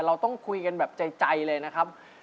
เราต้องคุยกันแบบใจเลยนะครับ